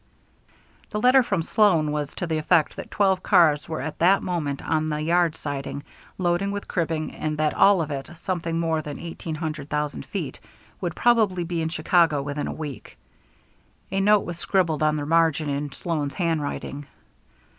The letter from Sloan was to the effect that twelve cars were at that moment on the yard siding, loading with cribbing, and that all of it, something more than eighteen hundred thousand feet, would probably be in Chicago within a week. A note was scribbled on the margin in Sloan's handwriting.